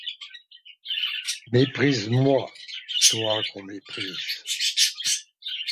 Méprise-moi, toi qu’on méprise.